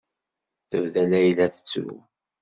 Tebda Layla tettru.